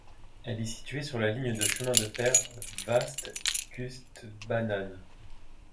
Elle est située sur la ligne de chemin de fer Västkustbanan.